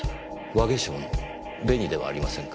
和化粧の紅ではありませんか？